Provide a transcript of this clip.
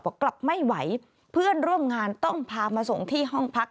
กลับไม่ไหวเพื่อนร่วมงานต้องพามาส่งที่ห้องพัก